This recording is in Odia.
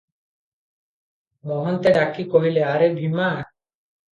ମହନ୍ତେ ଡାକି କହିଲେ, "ଆରେ ଭୀମା!